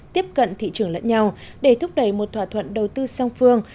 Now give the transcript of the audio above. tiếp cận thị trường lẫn nhau để thúc đẩy một thỏa thuận đầu tư song phương